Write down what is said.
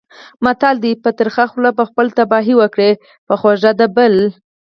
متل دی: په ترخه خوله به خپله تباهي وکړې، په خوږه د بل.